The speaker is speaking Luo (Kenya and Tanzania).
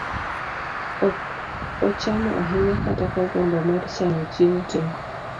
ok ochamo ahinya kata ka gombo mar chamo chiemo tin.